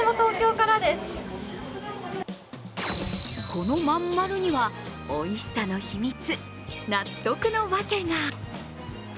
このまん丸には、おいしさの秘密納得のワケが。